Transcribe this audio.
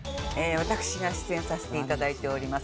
私が出演させて頂いております